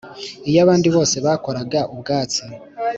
iyo abandi basore bakoraga ubwatsi